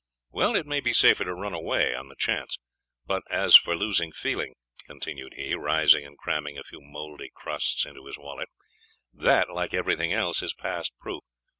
Well, it may be safer to run away, on the chance. But as for losing feeling,' continued he, rising and cramming a few mouldy crusts into his wallet, 'that, like everything else, is past proof.